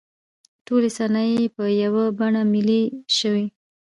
ټولې صنایع په یوه بڼه ملي شوې.